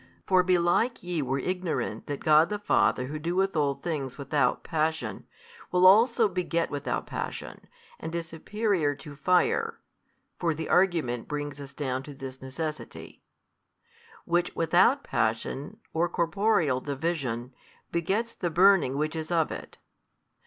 For belike ye were ignorant that God the Father Who doeth all things without passion, will also beget without passion, and is superior to fire (for the argument brings us down to this necessity) which without passion or corporeal division, begets the burning which is of it.